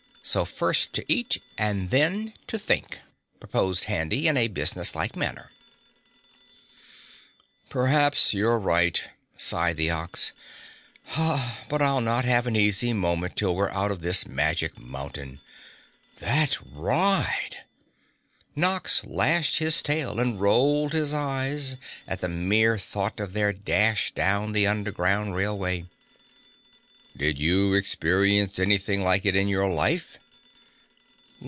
So first to eat and then to think!" proposed Handy in a businesslike manner. "Perhaps you're right," sighed the Ox, "but I'll not have an easy moment till we're out of this magic mountain. That ride!" Nox lashed his tail and rolled his eyes at the mere thought of their dash down the underground railway. "Did you ever experience anything like it in your life?"